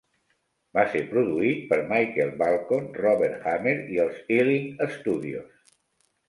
Va ser produït per Michael Balcon, Robert Hamer i els Ealing Studios.